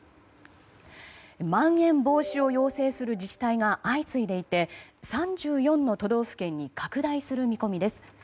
まん延防止を要請する自治体が相次いでいて３４の都道府県に拡大する見込みです。